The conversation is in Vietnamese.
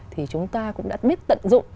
thì chúng ta cũng đã biết tận dụng